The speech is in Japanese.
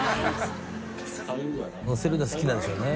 坂井）乗せるの好きなんでしょうね。